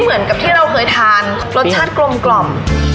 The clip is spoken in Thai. เหมือนกับที่เราเคยทานรสชาติกลม